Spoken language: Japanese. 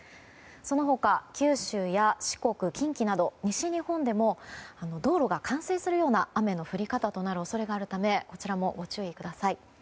その他、九州や四国、近畿など西日本でも道路が冠水するような雨の降り方となる恐れがあるためこちらもご注意ください。